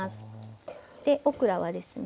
でオクラはですね